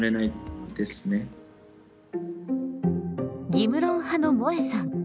義務論派のもえさん。